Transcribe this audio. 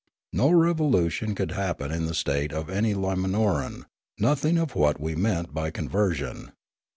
No revolution could happen in the state of any Limanoran, nothing of what we mean by conversion.